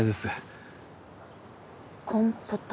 コンポタ。